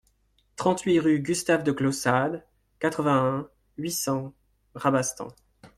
trente-huit rue Gustave de Clausade, quatre-vingt-un, huit cents, Rabastens